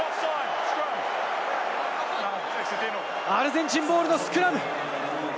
アルゼンチンボールのスクラム。